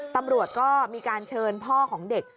ตำรวจก็มีการเชิญพ่อของเด็ก